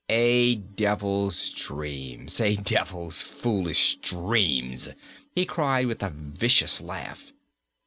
"A devil's dreams! A devil's foolish dreams!" he cried, with a vicious laugh.